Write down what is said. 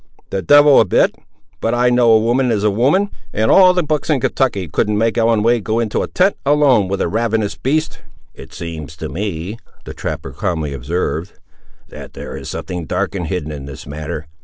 "The devil a bit. But I know woman is woman; and all the books in Kentucky couldn't make Ellen Wade go into a tent alone with a ravenous beast!" "It seems to me," the trapper calmly observed, "that there is something dark and hidden in this matter.